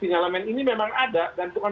penyalaman ini memang ada dan bukan